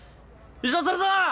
優勝するぞ！